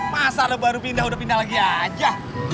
masa lo baru pindah udah pindah lagi aja